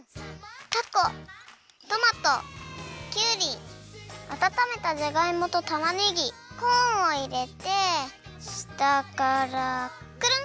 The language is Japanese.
たこトマトきゅうりあたためたじゃがいもとたまねぎコーンをいれてしたからクルン。